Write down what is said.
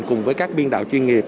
cùng với các biên đạo chuyên nghiệp